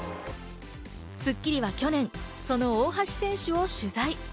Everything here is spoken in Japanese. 『スッキリ』は去年、その大橋選手を取材。